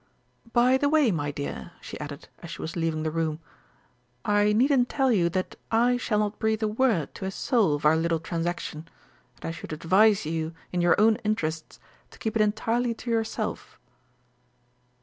"By the way, my dear," she added, as she was leaving the room, "I needn't tell you that I shall not breathe a word to a soul of our little transaction, and I should advise you, in your own interests, to keep it entirely to yourself."